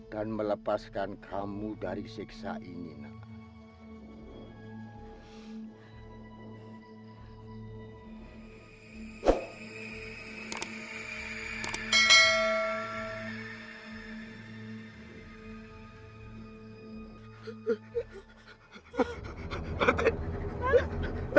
dan melepaskan kamu dari siksa ini nak